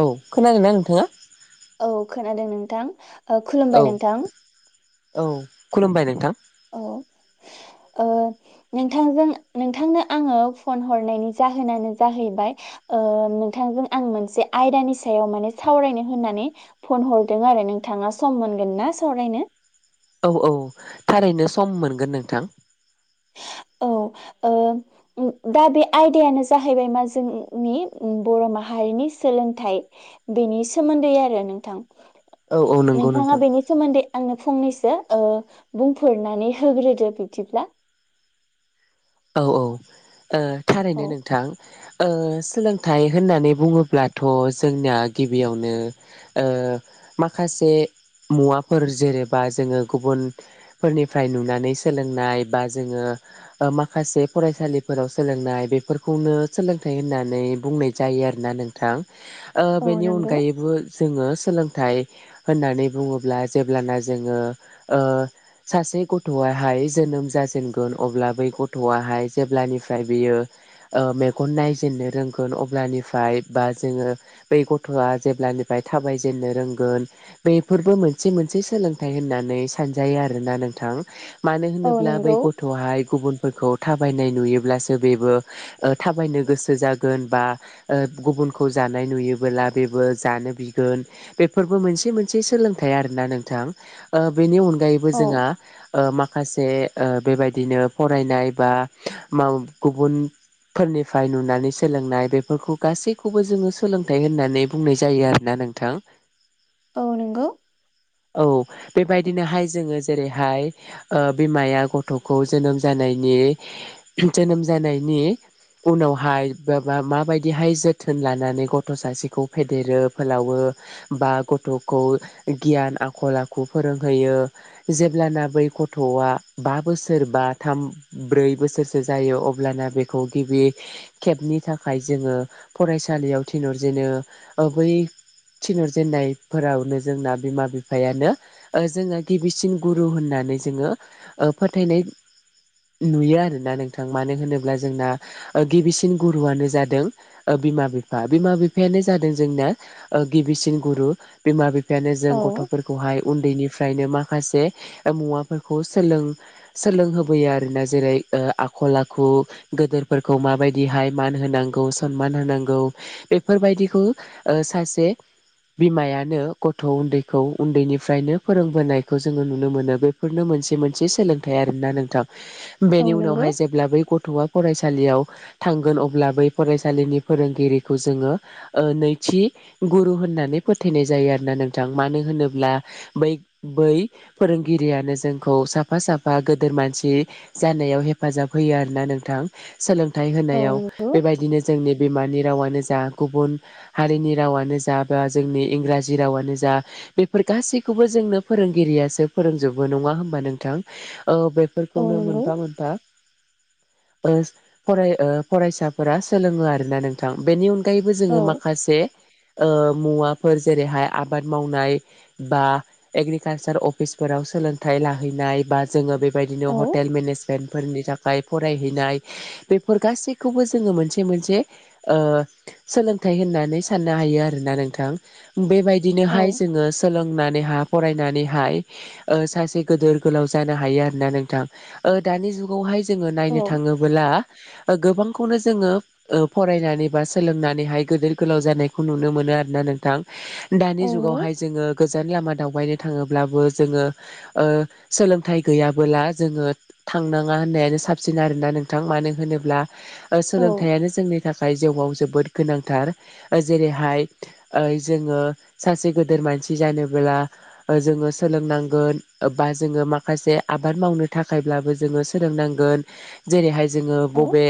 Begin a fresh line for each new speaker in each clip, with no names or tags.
औ खोनादोंना नोंथाङा
औ खोनादों नोंथां
औ
खुलुमबाय नोंथां
औ खुलुमबाय नोंथां
औ ओ नोंथांजों नोंथांनो आङो फन हरनायनि जाहोनानो जाहैबाय नोंथांजों आं मोनसे आयदानि सायाव माने सावरायनो होननानै फन हरदों आरो नोंथाङा सम मोनगोन ना सरायनो
औ औ थारैनो सम मोनगोन नोंथां
औ दा बे आयदायानो जाहैबाय मा जोंनि बर' माहारिनि सोलोंथाइ बेनि सोमोन्दै आरो नोंथां
औ औ नंगौ नोंथां
नोंथाङा बेनि सोमोन्दै आंनो फंनैसो बुंफोरनानै होग्रोदो बिब्दिब्ला
औ औ थारैनो
औ
नोंथां सोलोंथाइ होननानै बुङोब्लाथ' जोंनाया गिबियावनो माखासे मुवाफोर जेनेबा जोङो गुबुनफोरनिफ्राय नुनानै सोलोंनाय बा जोङो मा माखासे फरायसालिफोराव सोलोंनाय बेफोरखौनो सोलोंथाइ होननानै बुंनाय जायो आरोना नोंथां
औ
बेनि
नंगौ
अनगायैबो जोङो सोलोंथाइ होननानै बुङोब्ला जेब्लाना जोङो सा से गथ'आहाय जोनोम जाजेनगोन अब्ला बै ग [unintelligible] थ'आहाय जेब्लानिफ्राय बियो ओ मेगन नायजेननो रोंगोन अब्लानिफ्राय बाद जोंङो बै गथ'आ जेब्लानिफाइ थाबाय जेननो रोंगोन बेफोरबो मोनसे मोनसे स सोलोंथाइ होननानै सानजायो आरोना नोंथां मानो
औ
होनोब्ला बै
नंगौ
गथ'हाय गुबुन फोरखौ थाबायनाय नुयोब्लासो बेबो ओ थाबायनो गोसो जागोन बा ओ गुबु बुनखौ जानाय नुयोबोला बेबो जानो बिगोन बेफोरबो मोनसे मोनसे सोलोंथाइ आरोना नों थां ओ बेनि अनगायैबो
औ
जोंहा ओ माखासे ओ बेबायदिनो फरायनाय बा माव गुबुन फोरनिफाय नुनानै सोलोंनाय बेफोरखौ गासैखौबो जोङो सोलोंथाइ होननानै बुंनाय जायो आरोना नोंथां
औ नोंगौ
औ बेबायदिनोहाय जोङो जेरैहाय ओ बिमाया गथ'खौ जोनोम जानायनि जोनोम जानायनि उनावहाय ओ मा मा माबायदिहाय जोथोन लानानै गथ' सासेखौ फेदेरो फोलावो [unintelligible] बा गथ'खौ गियान आखल आखु फोरोंहैयो जेब्लाना बै गथ'आ बा बोसोरबा थाम ब्रै बोसोरसो जायो अब्लाना बेखौ गिबि खेबनि थाखाय जोङो फरायसालियाव थिनहरजेनो ओ बै थिनहरजेननायफोरावनो जोंना बिमा- बिफायानो ओ जोङो गिबिसिन गुरु होनना नानै जोङो ओ फोथायनाय नुयो आरोना नोंथां। मानो होनोब्ला जोंना ओ गिबिसिन गुरुआनो जादों ओ बिमा-बिफा, बिमा बिफायानो जादों जोंना ओ गिबिसिन गुरु बिमा- बि फायानो जों
औ
गथ'फोरखौहाय उन्दैनिफ्रायनो मा खायसे मुवाफोरखौ सोलों सोलोंहोब बैयो आरोना जेरै ओ आखल आखु गोदोरफोरखौ माबायदिहाय मान होनांगौ समान होनो नांगौ बेफोरबायदिखौ ओ सासे बिमायानो गथ' उन्दैखौ उन्दैनिफ्रायनो फोरोंबोनायखौ जोङो नुनो मोनो। बेफोरनो मो मोनसे-मोनसे सोलोंथाइ आरोना नोंथां।
औ
बेनि
नंगौ
उनावहाय जेब्ला बै ग थ'आ फरायसालियाव थांगोन अब्ला बै फरायसालिनि फोरोंगिरिखौ जोङो ओ नै थि गुरु होननानै फोथायनाय जायो आरो ना नोंथां। मानो होनोब्ला मै बै फोरोंगिरियानो जोंखौ साफा साफा गोदोर मानस सि जानायाव हेफाजाब होयो आरोना नोंथां। सोलोंथाइ
औ
होनायाव
नंगौ
बेबायदिनो जोंनि बिमानि रावानो ज जा, गुबुन हारिनि रावानो जा, बा जोंनि इंराजि रावानो जा बेफोर गासैख खौबो जोंनो फोरोंगिरियासो फोरोंजोबो नङा होमबा नोंथां? ओ बेब
औ
फोरखौनो
नंगौ
मोनफा मोनफा ओ फराय ओ फरायसाफोरा सोलोङो आरोना नोंथां बेनि अन गायैबो
औ
जोङो माखसे ओ मुवा फोर जेरैहाय आबाद मावनाय बा एग्रिकालसार अफिसफोराव सोलोंथाइ लाहैना नाय बा जोङो बेबायदिनो
औ
हटेल मेनेजमेन्टफोरनि थाख खाय फरायहैनाय बेफोर गासैखौबो जोङो मोनसे मोनसे ओ सोलों थाय होननानै साननो हायो आरोना नोंथां।
औ
बेबायदिनोहाय जोङो सोलोंनानैहा फरायनानैहाय ओ सासे गोदोर गोलाव जानो हायो आ ना नोंथां। ओ दानि जुगावहाय जोङो नायनो
औ
थाङोबोला ओ गोबांखौनो जोङो ओ फरायनानै बा सोलोंनानैहाय गोदोर गोलाव जानायखौ नुनो मोनो आरोना नो नोंथां दानि
औ नंगौ
जुगावहाय जोङो गोज जान लामा दावबायनो थाङोब्लाबो जोङो ओ सोलोंथाइ गैया बोला जोङो थांनाङा होननायानो साबसिन आरोना नोंथां। मानो होनोब्ला ओ
औ
सोलोंथाइयानो जोंनि थाखाय जिउआव जोबोद गोनांथार ओ जेरैहाय जोङो ओ सासे गोदोर मानसि जानोबोला जोङो सोलोंनांगोन, बा जोङो माखासे आबाद मावनो थाखायब्लाबो जोङो सोलोंनांगोन जेरैहाय जोङो
औ
बबे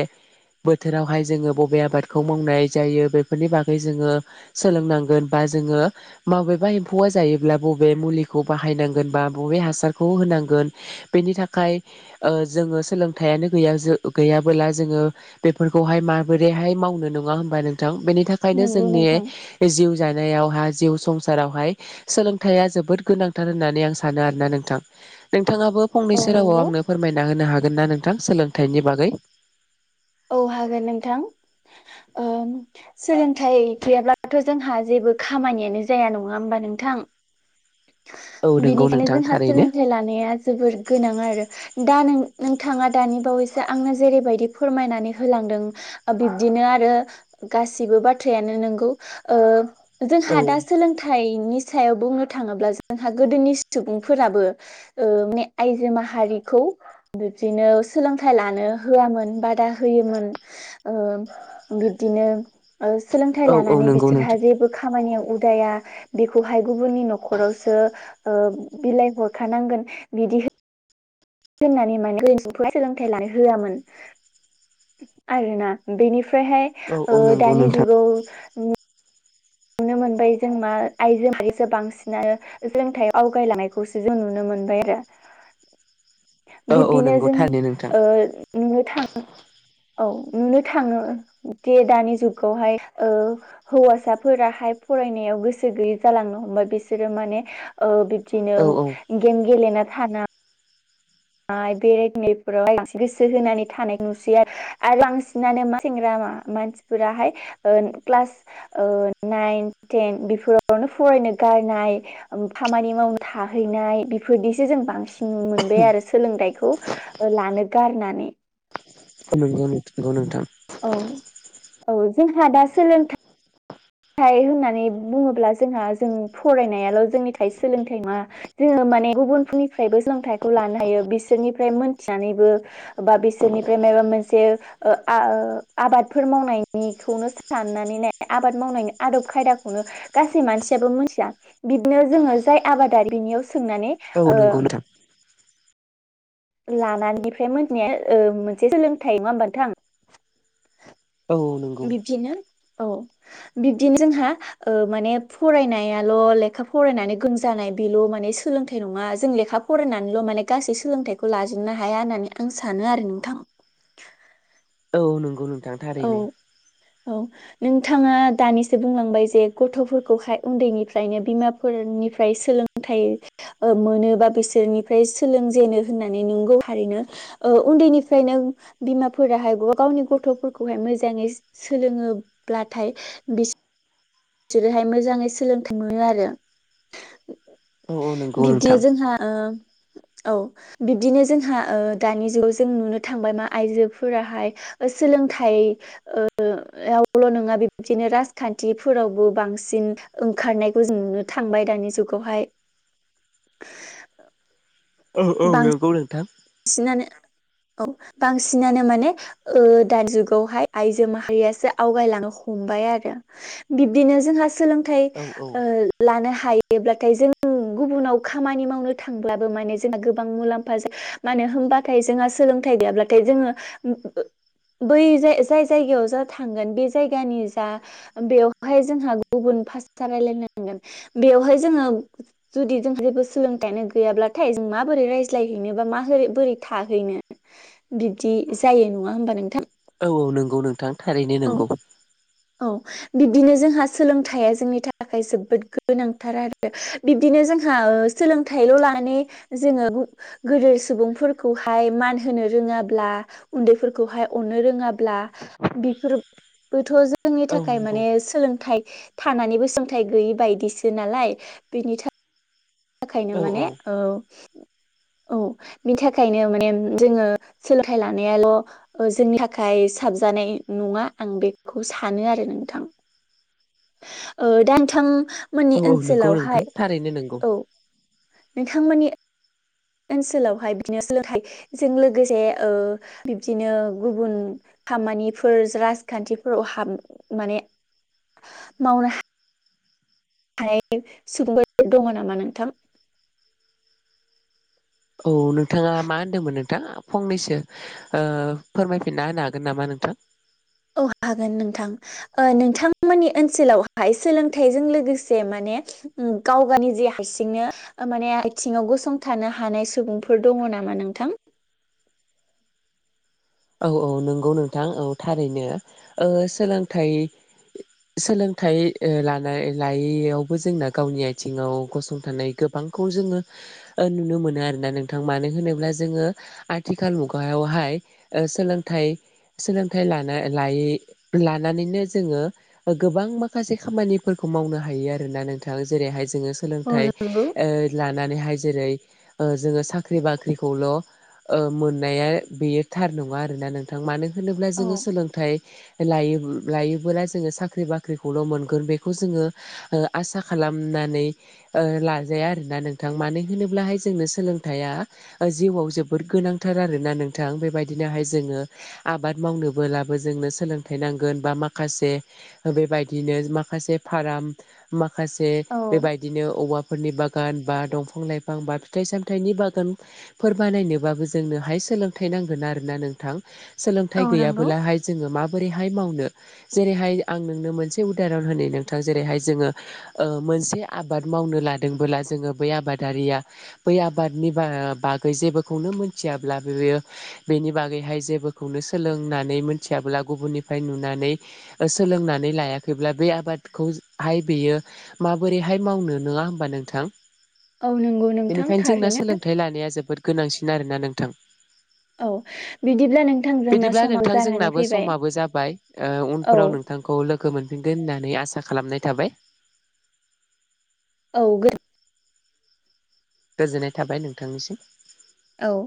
बोथोरावहाय जोङो बबे आबादखौ मावनाय जायो बेफोरनि बागै जोङो सोलोंनांगोन बा जोङो बबेबा एम्फौआ जायोब्ला, बबे मुलिखौ बाहायनांगोन बा बबे हासारखौ होनांगोन, बेनि थाखाय ओ जोङो सोलोंथाइयानो गैया गैयाबोला जोङो बेफोर खौहाय माबोरैहाय मावनो नङा होनबा नोंथां। बेनि थाखायनो
नंगौ
जोंनि
नोंथां
जिउ जानायावहा जिउ संसारावहाय सोलोंथाइआ जोबोद गोनांथार होननानै आं सानो आरोना नोंथां। नोंथाङाबो
औ
फंनैसो रावाव
नंगौ
आंनो फोरमायना होनो हागोन ना नोंथां सोलोंथाइनि बागै?
औ हागोन नोंथां। ओम सोलोंथाइ गैयाब्लाथ' जोंहा जेबो खामानियानो जाया नङा होमबा नोंथां?
औ नंगौ
बेनिखायनो
नोंथां
जोंहा
थारैनो
सोलोंथाइ लानाया जोबोर गोनां आरो। दा नों नोंथाङा दानि बावैसो आंनो जेरैबायदि फोरमायनानै होलांदों बिब्दिनो आरो गासिबो बाथ्रायानो नोंगौ ओ
औ
जोंहा दा सोलोंथाइनि सायाव बुंनो थाङोब्ला जोंहा गोदोनि सुबुंफोराबो ओ माने आइजो माहारिखौ बिबदिनो सोलोंथाइ लानो होआमोन बा दा होयोमोन ओ बिब्दिनो सोलोंथाइ
औ औ
लानानै
नंगौ
बिसोरहा
नोंथां
जेबो खामानियाव उदाया बेखौहाय गुबुननि न'खरावसो बिलाइ हरखानांगोन बिदि होननानै माने गोदोफोरा सोलोंथाइ लानो होआमोन आरोना बेनिफ्राय
औ औ
ओमफ्रायहाय
नंगौ
दानि
नोंथां
जुगाव [inaudible] मोनबाय जों मा आइजोआरिसो बांसिनानो सोलोंथाइ आवगायलांनायखौसो जों नुनो मोनबाय आरो।
औ औ
बिब्दिनो
नंगौ
जों न
थारैनो नोंथां
ओ आव थां औ नुनो थाङो जे दानि जुगावहाय ओ हौवसा फोराहाय फरायनायाव गोसो गैयै जालांनो हमबाय बिसोरो माने ओ बिदिनो
औ औ
गेम गेलेना थाना माय बेरायनायफोरावहाय एसे गोसो होनानै थानाय नुसैयो आरो बांसिनानो मा सेंग्रा मानसिफोराहाय ओ क्लास ओ नाइन टेन बेफोरावनो फराय नो गारनाय खामानि मावनो थाहैनाय बेफोरदिसो जों बांसिन नुनो मोनबाय आरो। सोलोंथाइखौ लानो गारनानै।
नंगौ नोंथां। नंगौ नोंथां।
औ औ जोंहा दा सोलोंथाइ थाइ होननानै बुङोब्ला जोंहा जों फरायनायाल' जोंनि थाइ सोलोंथाइ नङा जोङो माने गुबुनफोरनिफ्रायबो सोलोंथाइखौ लानो हायो। बिसोरनिफ्राय मोनथिनानैबो बा बिसोरनिफ्राय मोनसे आ आबाद फोर मावनायनिखौ सानानै आबाद मावनायनि आदब खायदाखौनो गासै मानसियाबो मिथिया बिदिनो जोङो जाय आबादारिनि बिनियाव सोंनानै
औ
ओ
नंगौ नोंथां
लानायनिफ्राय मोनथिनाया ओ मोनसे सोलोंथाइ नङा होमबथां नोंथां?
औ नंगौ।
बिब्दिनो औ। बिब्दिनो जोंहा ओ माने फरायनायाल' लेखा फरायनानै गोरोंजानाय बेल माने सोलोंथाइ नङा जों लेखा फरायनानैल' माने गासै सोलोंथाइखौ लाजोबनो हाया होननानै आं सानो आरो नोंथां। [inaudible]
औ नंगौ औ नोंथां थारैनो।
औ नोंथाङा दानिसो बुंलांबाय जे गथ'फोरखौहाय उन्दैनिफ्रायनो बिमाफोरनि निफ्राय सोलोंथाइ मोनोबा बिसोरनिफ्राय सोलोंजेनो होननानै नंगौ हारिनो ओ उन्दैनिफ्रायनो बिमाफोरा हाया गावनि गथ'फोरखौ खौहाय मोजांङै सोलोङोब्लाथाय बिस बिसोरोहाय मोजाङै सोलोंथाइ मोनो आरो
औ औ नंगौ
बिबदि
नोंथां
जोंहा ओ औ बिब्दिनो जोंहा ओ दानि जुगाव जों नुनो थांबाय मा आइजोफोराहाय सोलोंथाइ ओ आवल ' नङा बिबदिनो राजखान्थि फोरावबो बांसिन ओंखारनायखौ जों नुनो थांबाय दानि जुगावहाय [inaudible]
औ औ नंगौ नोंथां
बिसिनानो औ बांसिनानो माने ओ दा जुगावहाय आइजो माहारियासो आवगायलांनो हम हमबाय आरो बिदिनो जोंहा सोलोंथ
औ औ
ओ ला हायो। जेब्लाथाय जों गुबुनाव खामानि मावनो थांब्लाबो माने जोंना गोबां मुलाम्फा जों मानो होनबाथाय जोंहा सोलोंथाइ गैयाब्लाथाइ जोंङो बै जाय जायगायाव जा थांगोन बे जायगानि जा बेवहाय जोंहा गुबुन [unintelligible] बेवहाय जोंङो जुदि जोंहा जेबो सोलोंथाइयानो गैयाब्लाथाइ मोबोरै रायज्लायहैनोबा मा बोरै बोरै थाहैनो बिबदि जायो नङा होमबा नोंथां
औ औ नंगौ नोंथां थारैनो
औ
नंगौ
औ बिब्दिनो जोंहा सोलोंथाइया जोंनि थाखाय जोबोद गोनांथार आरो बिब्दिनो जोंहा ओ सोलोंथाइल' लानानै जोंङो गोदोर सुबुंफोरखौहाय मान होनो रोंङाब्ला उन्दैफोरखौहय अननो रोंङाब्ला बेफोरबोथ जोंनि
औ
थाखाय
नंगौ
माने सोलोंथाइ थानानैबो सोलोंथाइ गैयि बायदिसो नालाय बिनि थाखाय बि थाखायनो माने औ औ बिनि थाखायनो माने जोंङो सोलोंथाइ लानायाल' जोंनि थाखाय साबज जानाय नङा आं बेखौ सानो आरो नोंथां। ओ दा
औ
नोंथांमोननि
औ नंगौ नोंथां
ओनसोलावहाय
थारैनो नंगौ
औ थांमोननि ओनसोलावहाय बिदिनो सोलोंथाइजों लोगोसे ओ बिब्दिनो गुबुन खामानिफोर राजखान्थिफोराव हाब माने मावनो हायो सुबुंफोर दंङ नामा नोंथां?
औ नोंथाङा मा होनदोंमोन नोंथां फंनैसो फोरमायफिनना होनो हागोन नामा नोंथ [unintelligible]
औ हागोन नोंथां नोंथांमोननि ओ ओनसोलावहाय सोलोंथाइजों लोगोसे माने गाव गावनि जि हारसिंनो माने आथिङाव गसंथानो हानाय सुबुंफोर दङ नामा नोंथां?
औ औ नंगौ नोंथां औ थारैनो ओ सोलोंथाइ
[inaudible]
सोलोंथाइ लानाय लायैयावबो जोंना गावनि आथिङाव गसंथानाय गोबांखौ जोंङो नुनो मोनो आरोोना नोंथां मानो होनोब्ला जोंङो आथिखाल मुगायावहाय सोलोंथाइ सोलोंथाइ लायै लानाय लानानैनो जोंङो गोबां माखासे खामानिफोरखौ मावनो हायो आरोना नोंथा जेरैहाय सोलोंथ
औ नंगौ
ओ लानानैयहाय जेरै ओ जोंङो साख्रि बाख्रिखौल' मोननाया बेयो थार नङा आरोना नोंथां मानो होनोब्ला
औ
जोंङो सोलोंथाइ लायो लायोबोला जोंङो साख्रि बाख्रिखौल' मोनगोन बेखौ जोंङो आसा खालामनानै ओ लाजाया आरोना नोंथां मानो होनोब्लाहाय जोंनो सोलोंथाइया जिउआव जोबोद गोन नांथार आरोना नोंथां बेबायदि बिदिनोहाय जोंङो आबाद मावनोब्लाबो जोंनो सोंलोंथाइ नांगोन बा माखासे बेदिनो माखासे फाराम माखासे
औ
बेबायदिनो औफोरनि बागान बा दंफां लाइफां बा फिथाइ सामथाइनि बागानफोर बानायनोबाबो जोंनोहाय सोलोंथाइ नांगोन आरो । ना नोंथां सोलोंथाइ
औ नंगौ
गैयाबोलाहाय जोङो मा बोरैहाय मावनो जेरैहाय आं नोंनो मोनसे उदाहरन होनो नोंथां जेरैहाय जोङो ओ मोनसे आबाद मावनो लादोंबोला जोङो बै आबादारिया बै आबादनि बा बागै जे फोरखौनो मोनथियाब्लाबो बेयो बेनि बागैहाय जेबोखौनो सोलोंनानै मोनथियाबोला गुबुननिफ्राय नुनानै सोलोंनानै लायाखैब्ला बे आबादखौहाय बेयो माबोरैहाय मावनो नङा होमबा नोंथां?
औ नंगौ नोंथां
बेनिखायनो जोंना
थारैनो
सोलोंथाइ लानाया जोबोद गोनांसिन आरोना नोंथां ।
औ बिदिब्ला नोंथां जोंना
बिदिब्ला
समाव
नोंथां
जानानै
जोंनाबो
फैबाय
समाबो जाबाय ओ
औ
उनफोराव नोंथा थांखौ लोगो मोनफिनगोन होननानै आसा खालामनाय थाबाय ।
औ [inaudible]
गोजोननाय थाबाय नोंथांनिसिम ।
औ ।